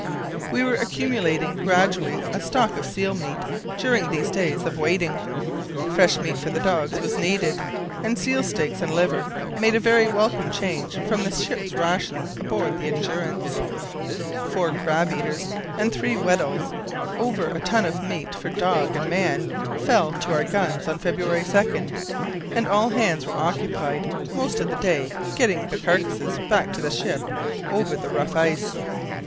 We were accumulating gradually a stock of seal meat during these days of waiting. Fresh meat for the dogs was needed, and seal steaks and liver made a very welcome change from the ship's rations aboard the Endurance. Four crab eaters and three Weddells, over a ton of meat for dog and man, fell to our guns on February 2, and all hands were occupied most of the day getting the carcasses back to the ship over the rough ice.